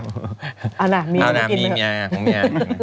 เอานะมีกันมั้ย